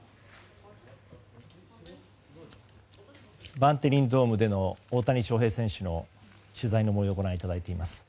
バンテリンドームでの大谷翔平選手の取材の模様をお伝えしています。